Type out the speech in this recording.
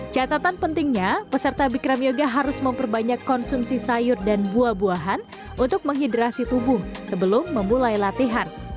catatan pentingnya peserta bikram yoga harus memperbanyak konsumsi sayur dan buah buahan untuk menghidrasi tubuh sebelum memulai latihan